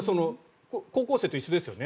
高校生と一緒ですよね。